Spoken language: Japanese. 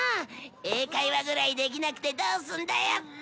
英会話ぐらいできなくてどうすんだよ！